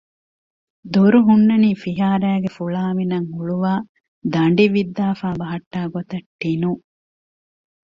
ދޮރު ހުންނަނީ ފިހާރައިގެ ފުޅާމިނަށް ހުޅުވައި ދަނޑި ވިއްދާފައި ބަހައްޓާ ގޮތަށް ޓިނުން